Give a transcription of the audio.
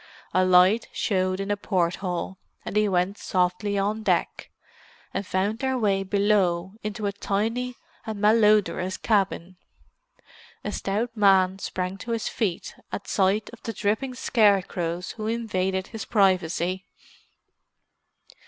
A light showed in a port hole, and they went softly on deck, and found their way below into a tiny and malodorous cabin. A stout man sprang to his feet at sight of the dripping scarecrows who invaded his privacy.